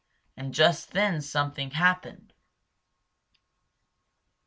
And just then something happened.